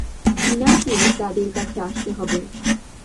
ডিনারকেই তাদের কাছে আসতে হবে।